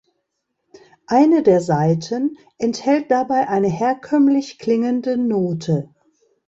Eine der Saiten enthält dabei eine herkömmlich klingende Note.